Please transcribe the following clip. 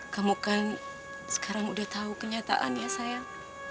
kamu kan sekarang udah tahu kenyataan ya sayang